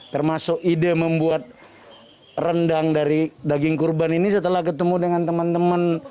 termasuk ide membuat rendang dari daging kurban ini setelah ketemu dengan teman teman